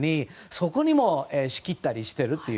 そこも仕切ったりしてるという。